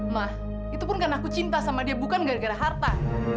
mah itu pun karena aku cinta sama dia bukan gara gara harta